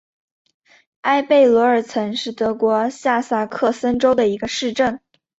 埃贝罗尔岑是德国下萨克森州的一个市镇。